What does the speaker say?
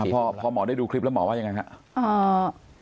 พอหมอได้ดูคลิปแล้วหมอว่ายังไงครับ